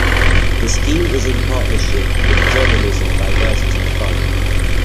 The scheme is in partnership with the Journalism Diversity Fund.